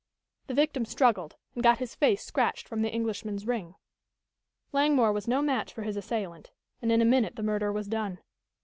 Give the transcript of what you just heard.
The victim struggled and got his face scratched from the Englishman's ring. Langmore was no match for his assailant, and in a minute the murder was done.